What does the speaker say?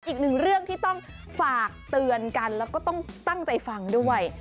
อีกหนึ่งเรื่องที่ต้องฝากเตือนกันแล้วก็ต้องตั้งใจฟังด้วย